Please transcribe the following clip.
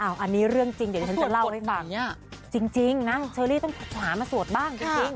อันนี้เรื่องจริงเดี๋ยวฉันจะเล่าให้บ้าง